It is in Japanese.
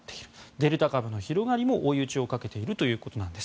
デルタ株の広がりも追い打ちをかけているということなんです。